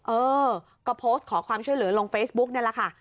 เออก็โพสต์ขอความช่วยเหลือลงเฟซบุ๊กนี่แหละค่ะ